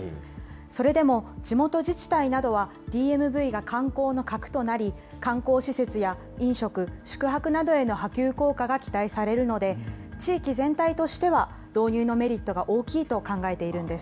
それでも地元自治体などは、ＤＭＶが観光の核となり、観光施設や飲食、宿泊などへの波及効果が期待されるので、地域全体としては、導入のメリットが大きいと考えているんです。